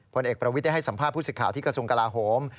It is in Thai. พลเอกประวิทย์ได้ให้สัมภาพพุศิษฐ์ข่าวที่กระทรวงกระลาโฮม